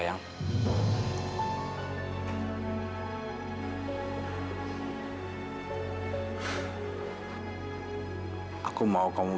mau aku paksa